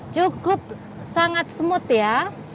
cukup sangat smooth ya